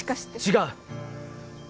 違う！